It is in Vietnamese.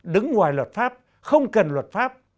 đứng ngoài luật pháp